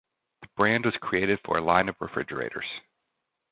The brand was created for a line of refrigerators.